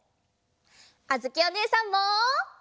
あづきおねえさんも！